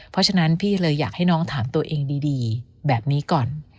เพราะฉะนั้นพี่เลยอยากให้น้องถามตัวเองดีแบบนี้ก่อน